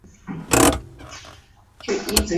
石牌村的历史可追溯至宋朝。